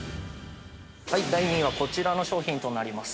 ◆第２位はこちらの商品となります。